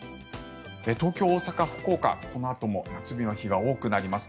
東京、大阪、福岡、このあとも夏日の日が多くなります。